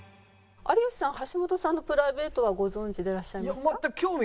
有吉さん橋本さんのプライベートはご存じでいらっしゃいますか？